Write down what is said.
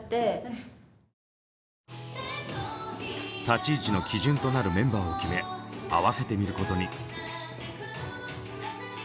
立ち位置の基準となるメンバーを決め合わせてみることに。